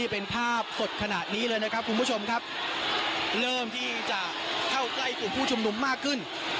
เป็นภาพสดขนาดนี้เลยนะครับคุณผู้ชมครับเริ่มที่จะเข้าใกล้กลุ่มผู้ชุมนุมมากขึ้น